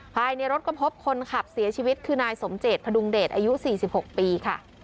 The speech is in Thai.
ภายในรถก็พบคนขับเสียชีวิตคือนายสมเจตพดุงเดชอายุ๔๖ปีค่ะ